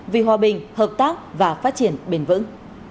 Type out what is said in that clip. vì hòa bình hợp tác và phát triển bền vững